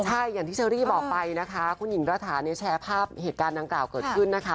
ใช่อย่างที่เชอรี่บอกไปนะคะคุณหญิงระถาเนี่ยแชร์ภาพเหตุการณ์ดังกล่าวเกิดขึ้นนะคะ